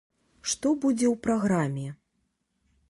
Што будзе ў праграме?